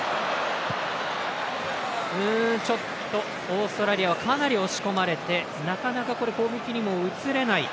オーストラリアはかなり押し込まれてなかなか攻撃にも移れない。